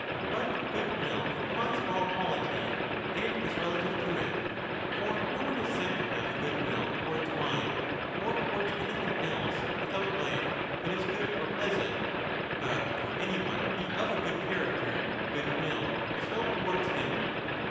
But goodwill implies moral Iquality and is relative to it. For no one is said to have 10 goodwill towards wine or towards anything else without life that is good or pleasant, but if any one be of a good |character, goodwill is felt towards him.